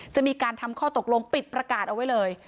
จะมีการทำข้อตกลงปิดประกาศเอาไว้เลย